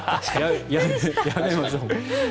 やめましょう。